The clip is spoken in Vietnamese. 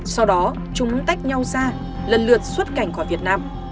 sau đó chúng tách nhau ra lần lượt xuất cảnh khỏi việt nam